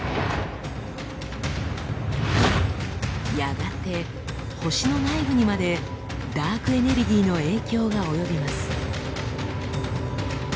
やがて星の内部にまでダークエネルギーの影響が及びます。